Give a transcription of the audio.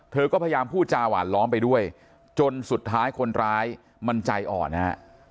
เธอก็พยายามพูดจาหวานล้อมไปด้วยจนสุดท้ายคนร้ายมันใจอ่อนฮะ